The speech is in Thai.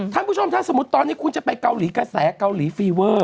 ท่านผู้ชมถ้าสมมุติตอนนี้คุณจะไปเกาหลีกระแสเกาหลีฟีเวอร์